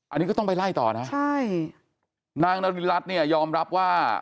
อันนี้ก็ต้องไปไล่ต่อนะใช่นางนาริรัตนเนี่ยยอมรับว่า